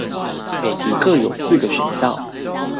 每題各有四個選項